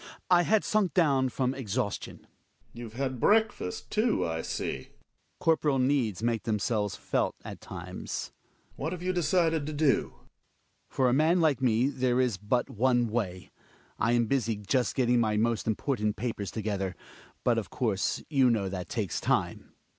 I had gunk down from exhaustion. Gregers. You've had breakfast too, I see. Hjalmar. riorp^^^^ "^^^'^ ^r]^^ them selves felt at time s./yyvl Gregers. What have you decided to do ? Hjalmar. For a man like me, there is but one way. I am busy just getting my most important papers together. But, of course, you know that takes time.